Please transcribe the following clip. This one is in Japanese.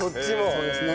そうですね。